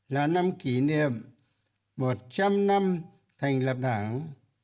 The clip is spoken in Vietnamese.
là năm kỷ niệm một trăm linh năm thành lập đảng